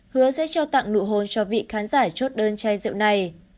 hứa sẽ trao tặng nụ hôn cho vị khán giả chốt đơn chai rượu này